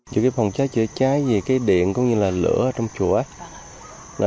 chứ cái phòng cháy chữa cháy thì cái điện cũng như là lửa ở trong chùa